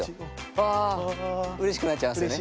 あうれしくなっちゃいますよね。